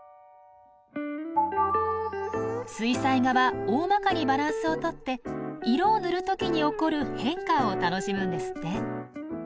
水彩画は大まかにバランスをとって色を塗る時に起こる変化を楽しむんですって。